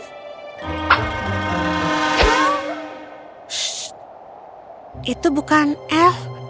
ssst itu bukan elf